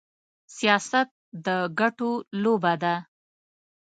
سياست د ګټو لوبه ده.